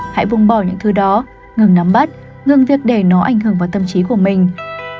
hãy vùng bỏ những thứ đó ngừng nắm bắt ngừng việc để nó ảnh hưởng vào tâm trí của mình